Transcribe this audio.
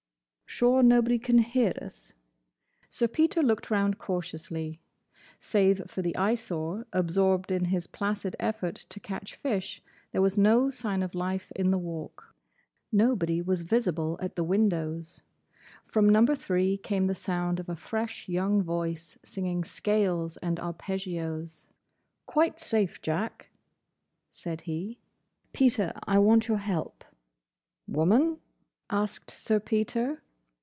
"Sure nobody can hear us?" Sir Peter looked round cautiously. Save for the Eyesore, absorbed in his placid effort to catch fish, there was no sign of life in the Walk. Nobody was visible at the windows. From Number Three came the sound of a fresh young voice singing scales and arpeggios. "Quite safe, Jack," said he. "Peter, I want your help." "Woman?" asked Sir Peter.